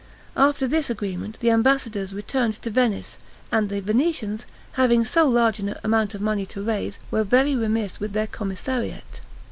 After this agreement the ambassadors returned to Venice; and the Venetians, having so large an amount of money to raise, were very remiss with their commissariat.